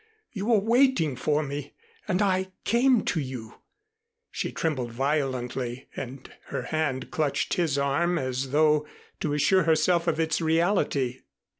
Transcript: You were waiting for me and I came to you." She trembled violently and her hand clutched his arm as though to assure herself of its reality.